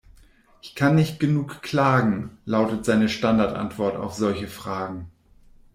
"Ich kann nicht genug klagen", lautet seine Standardantwort auf solche Fragen.